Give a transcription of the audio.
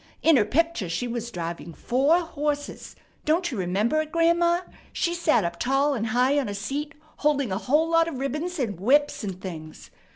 In her picture she was driving four horses. Don't you remember it, grandma? She sat up tall and high on a seat, holding a whole lot of ribbons and whips and things.